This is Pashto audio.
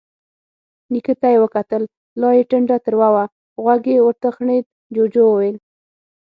نيکه ته يې وکتل، لا يې ټنډه تروه وه. غوږ يې وتخڼېد، جُوجُو وويل: